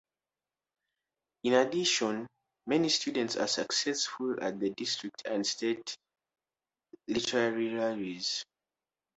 In addition, many students are successful at the district and state literary rallies.